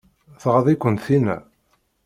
Tɣaḍ-iken tinna?